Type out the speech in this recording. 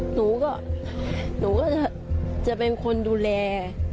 หนูก็หนูก็จะเป็นคนดูแล